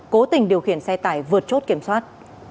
cố tình điều khiển xe tải vượt chốt kiểm soát